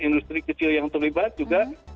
industri kecil yang terlibat juga